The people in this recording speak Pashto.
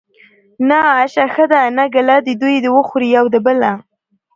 ـ نه آشه ښه ده نه ګله دوي د وخوري يو د بله.